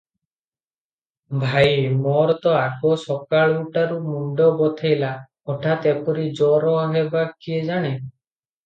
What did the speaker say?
"ଭାଇ! ମୋର ତ ଆଗ ସକାଳୁଟାରୁ ମୁଣ୍ଡ ବଥେଇଲା; ହଠାତ୍ ଏପରି ଜର ହେବ କିଏ ଜାଣେ?